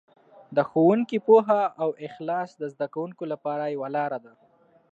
د ښوونکي پوهه او اخلاص د زده کوونکو لپاره یوه لاره ده.